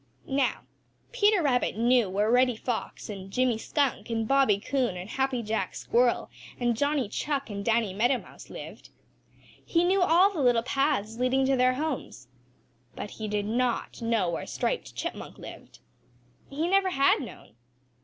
Now Peter Rabbit knew where Reddy Fox and Jimmy Skunk and Bobby Coon and Happy Jack Squirrel and Johnny Chuck and Danny Meadow Mouse lived. He knew all the little paths leading to their homes. But he did not know where Striped Chipmunk lived. He never had known.